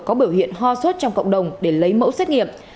có biểu hiện ho sốt trong cộng đồng để lấy mẫu xét nghiệm